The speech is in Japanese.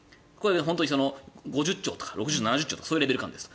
本当に５０兆とか６０兆、７０兆そういうレベル感です。